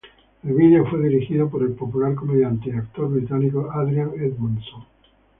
El video fue dirigido por el popular comediante y actor británico Adrian Edmondson.